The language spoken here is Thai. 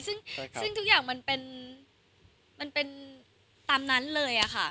ซึ่งทุกอย่างมันเป็นตามนั้นเลยค่ะ